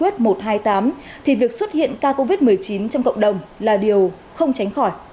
f một hai mươi tám thì việc xuất hiện ca covid một mươi chín trong cộng đồng là điều không tránh khỏi